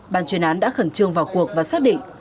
ban chuyên án đã khẩn trương vào cuộc và xác định